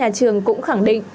các nhà trường cũng khẳng định